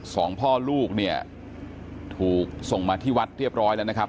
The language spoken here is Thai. สองพ่อลูกเนี่ยถูกส่งมาที่วัดเรียบร้อยแล้วนะครับ